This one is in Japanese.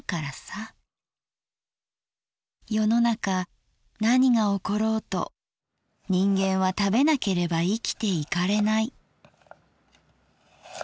世の中何が起ころうと人間は食べなければ生きていかれない」。